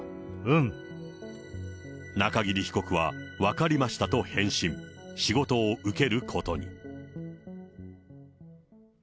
中桐被告は、分かりましたと返信、仕事を受けることに。